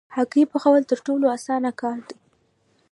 هګۍ پخول تر ټولو اسانه کار دی.